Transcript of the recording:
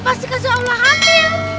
pasti kasih allah hamil